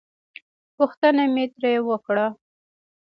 پوښتنه مې ترې وکړه.